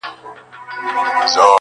لاسونه ښکلوي، ستا په لمن کي جانانه_